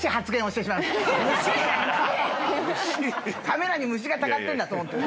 カメラに虫がたかってんだと思って。